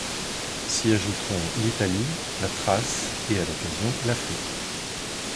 S’y ajouteront l’Italie, la Thrace et, à l’occasion, l’Afrique.